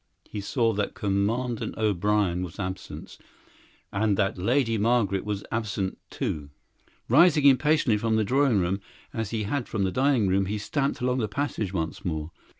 He saw that Commandant O'Brien was absent, and that Lady Margaret was absent too. Rising impatiently from the drawing room, as he had from the dining room, he stamped along the passage once more.